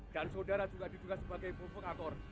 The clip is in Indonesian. dan saudara juga diduga sebagai provokator